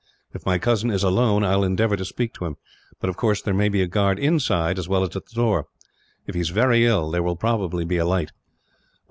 If my cousin is alone, I will endeavour to speak to him; but of course there may be a guard inside, as well as at the door. If he is very ill, there will probably be a light."